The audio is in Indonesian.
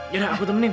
ya sudah aku temenin